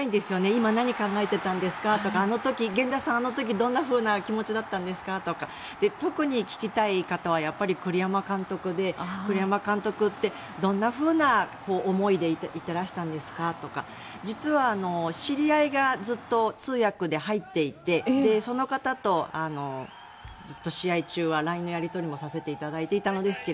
今、何を考えていたんですか？とか源田さん、あの時どんな気持ちだったんですか？とか特に聞きたい方はやっぱり栗山監督で栗山監督ってどんなふうな思いでいてらしたんですかとか実は知り合いがずっと通訳で入っていてその方とずっと試合中はＬＩＮＥのやり取りもさせていただいていたのですが